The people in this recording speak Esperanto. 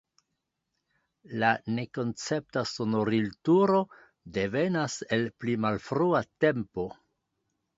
La nekoncepta sonorilturo devenas el pli malfrua tempo.